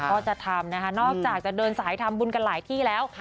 ก็จะทำนะคะนอกจากจะเดินสายทำบุญกันหลายที่แล้ว